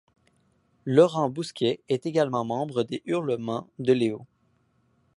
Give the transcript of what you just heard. Laurent Bousquet est également membre des Hurlements de Léo.